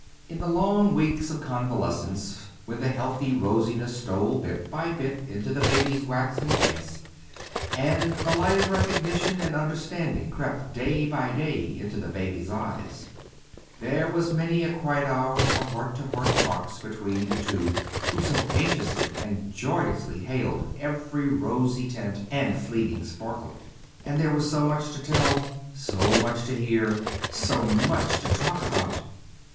In the long weeks of convalescence, when the healthy rosiness stole bit by bit into the baby's waxen face, and the light of recognition and understanding crept day by day into the baby's eyes, there was many a quiet hour for heart to heart talks between the two who so anxiously and joyously hailed every rosy tint and fleeting sparkle. And there was so much to tell, so much to hear, so much to talk about!